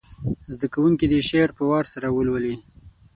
زده کوونکي دې شعر په وار سره ولولي.